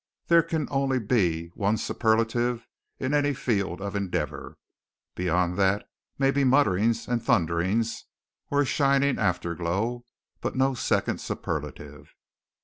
There can only be one superlative in any field of endeavor. Beyond that may be mutterings and thunderings or a shining after glow, but no second superlative.